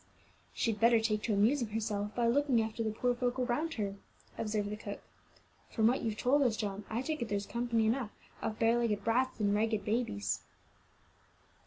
"She'd better take to amusing herself by looking after the poor folk around her," observed the cook. "From what you've told us, John, I take it there's company enough of bare legged brats and ragged babies."